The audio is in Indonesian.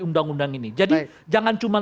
undang undang ini jadi jangan cuma